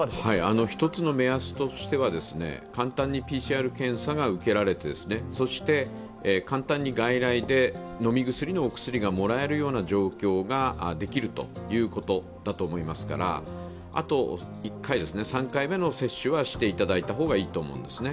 一つの目安としては簡単にＰＣＲ検査が受けられて、そして簡単に外来で飲み薬がもらえるような状況ができるということだと思いますからあと１回、３回目の接種はしていただいた方がいいと思んです。